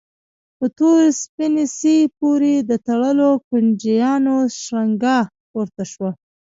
په تور سپڼسي پورې د تړلو کونجيانو شرنګا پورته شوه.